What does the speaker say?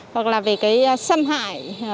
hoặc là về xâm hại